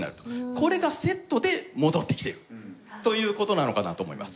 これがセットで戻ってきてるということなのかなと思います。